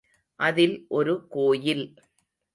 அதில் ஒரு கோயில்.